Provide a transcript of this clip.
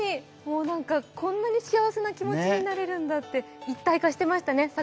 こんなに幸せな気持ちになれるんだって、一体化してましたね